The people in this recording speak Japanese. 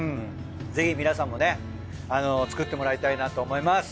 ぜひ皆さんもね作ってもらいたいなと思います。